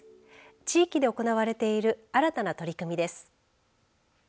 地域で行われている新たな取り組みです。